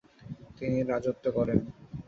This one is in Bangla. তিনি রাজত্ব করেন।